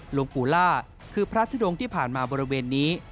หลวงปู่ล่าคือพระทุดงที่ผ่านมาบริเวณนี้